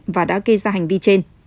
và đã gây ra hành vi trên